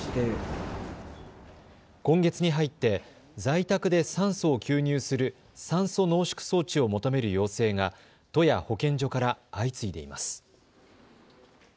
今月に入って在宅で酸素を吸入する酸素濃縮装置を求める要請が都や保健所から相次いでいます。